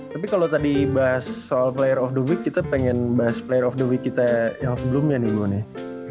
tapi kalau tadi bahas soal player of the week kita pengen bahas player of the week kita yang sebelumnya nih gue nih